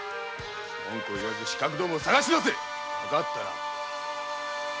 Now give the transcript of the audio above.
文句を言わず刺客どもを捜し出せわかったな。